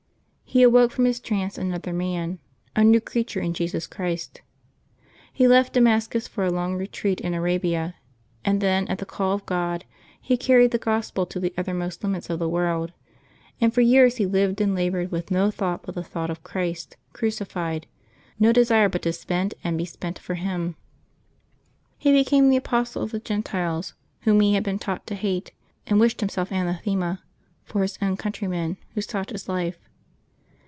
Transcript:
He awoke from his trance another man — a new creature in Jesus Christ. He left Damascus for a long retreat in Arabia, and then, at the call of God, he carried the Gospel to the uttermost limits of the world, and for years he lired and labored with no thought but the thought of Christ crucified, no desire but to spend and be spent for Him. He became the apostle of the Gentiles, whom he had been taught to hate, and wished himself anathema for his own countrjTnen, who sought his life.